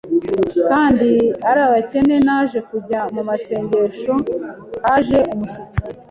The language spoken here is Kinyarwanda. kandi ari abakene, naje kujya mu masengesho haje umushyitsi,